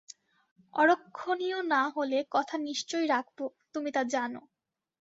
অরক্ষণীয় না হলে কথা নিশ্চয় রাখব তুমি তা জান।